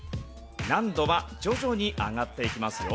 難度は徐々に上がっていきますよ。